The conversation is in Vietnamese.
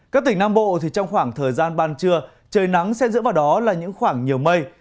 các tỉnh nam bộ thì trong khoảng thời gian ban trưa trời nắng sẽ dựa vào đó là những khoảng nhiều mây